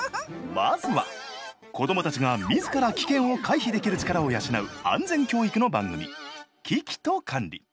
まずは子どもたちが自ら危険を回避できる力を養う安全教育の番組「キキとカンリ」。